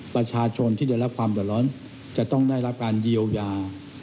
ประชาชนที่ได้รับความเดือดร้อนจะต้องได้รับการเยียวยา